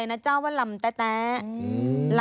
แปลว่าอร่อยมาก